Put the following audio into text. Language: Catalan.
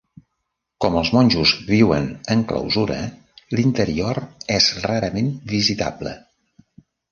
Com els monjos viuen en clausura, l'interior és rarament visitable.